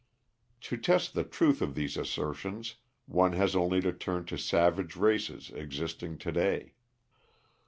To test the truth of these assertions one has only to turn to savage races existing to day.